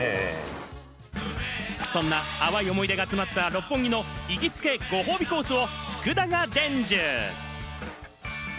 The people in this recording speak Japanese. そんな淡い思い出が詰まった六本木の行きつけご褒美コースを福田が伝授！